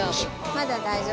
まだ大丈夫。